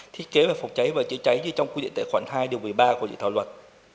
thiết kế về phòng cháy và chữa cháy như trong quy định tệ khoản hai điều một mươi ba của dự thảo luật